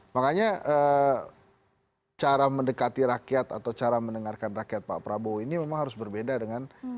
makanya cara mendekati rakyat atau cara mendengarkan rakyat pak prabowo ini memang harus berbeda dengan